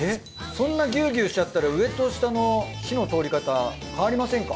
そんなギューギューしちゃったら上と下の火の通り方変わりませんか？